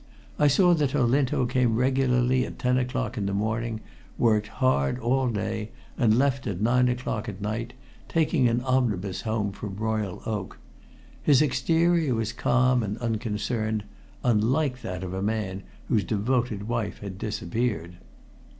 I saw that Olinto came regularly at ten o'clock in the morning, worked hard all day, and left at nine o'clock at night, taking an omnibus home from Royal Oak. His exterior was calm and unconcerned, unlike that of a man whose devoted wife had disappeared.